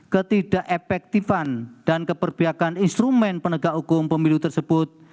ketidak efektifan dan keperbiakan instrumen penegak hukum pemilu tersebut